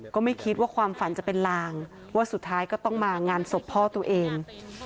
ก็ไม่คิดว่าความฝันจะเป็นลางว่าสุดท้ายก็ต้องมางานศพพ่อตัวเอง